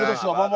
ya ini mah